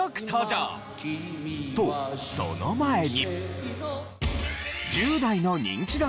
とその前に。